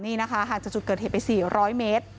ห่างจากจุดเกิดเหตุไป๔๐๐เมตร